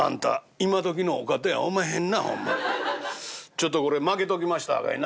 ちょっとこれまけときましたさかいな。